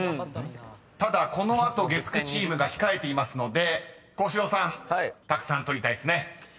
［ただこの後月９チームが控えていますので幸四郎さんたくさん取りたいですね］